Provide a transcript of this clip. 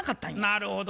なるほど。